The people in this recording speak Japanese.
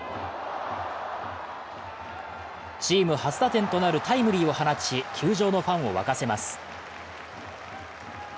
チーム初打点となるタイムリーを放ち、球場のファンを湧かせます。